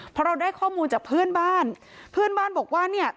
พอเราได้ข้อมูลจากเพื่อนบ้านเพื่อนบ้านบอกว่าเนี่ย